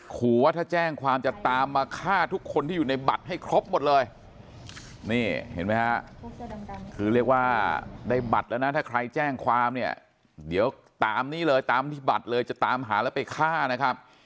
ขอว่าถ้าแจ้งความจะตามมาฆ่าทุกคนที่อยู่ในบัตรให้ครบหมดเลยนี่เห็นไหมฮะคือเรียกว่าได้บัตรแล้วนะถ้าใครแจ้งความเนี่ยเดี๋ยวตามนี้เลยตามที่บัตรเลยจะตามหาแล้วไปฆ่านะครับ